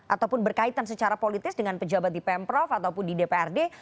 ataupun berkaitan secara politis dengan pejabat di pemprov ataupun di dprd